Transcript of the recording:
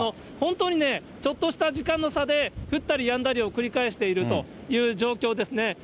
本当にね、ちょっとした時間の差で、降ったりやんだりを繰り返しているという状況ですね。